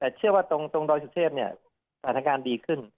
แต่เชื่อว่าตรงดอยสุเทพเนี่ยสถานการณ์ดีขึ้น